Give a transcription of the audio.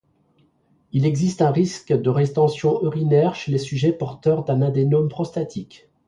Il existe un risque de rétention urinaire chez les sujets porteurs d'un adénome prostatique.